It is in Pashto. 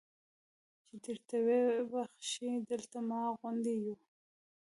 چې درته ویې بخښي دلته ما غوندې یو.